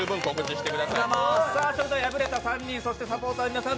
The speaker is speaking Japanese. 敗れた３人、サポーターの皆さん